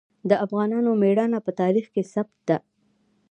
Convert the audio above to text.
د افغانانو ميړانه په تاریخ کې ثبت ده.